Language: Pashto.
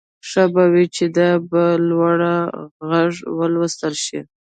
ښه به وي چې دا په لوړ غږ ولوستل شي